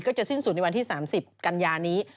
จะสิ้นสุดในวันที่๓๐กันยานี้